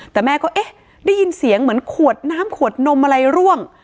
แต่แม่ก็เอ๊ะได้ยินเสียงเหมือนขวดน้ำขวดนมอะไรร่วง